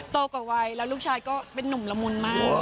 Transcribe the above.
โตกว่าวัยแล้วลูกชายก็เป็นนุ่มละมุนมาก